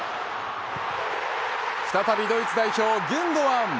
再びドイツ代表ギュンドアン。